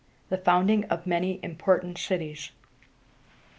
THE FOUNDING OF MANY IMPORTANT CITIES.